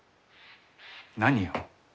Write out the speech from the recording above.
何を？